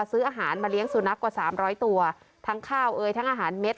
ซื้ออาหารมาเลี้ยงสุนัขกว่าสามร้อยตัวทั้งข้าวเอ่ยทั้งอาหารเม็ด